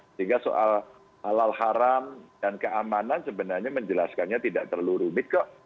sehingga soal halal haram dan keamanan sebenarnya menjelaskannya tidak terlalu rumit kok